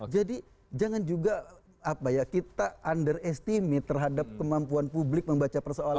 jadi jangan juga kita underestimasi terhadap kemampuan publik membaca persoalan